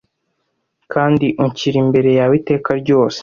Kandi unshyira imbere yawe iteka ryose